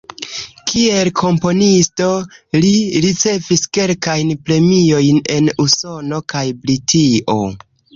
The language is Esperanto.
Kiel komponisto, li ricevis kelkajn premiojn en Usono kaj Britio.